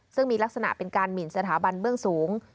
ซึ่งมีลักษณะเป็นการหมินสถาบันเบื้องสูง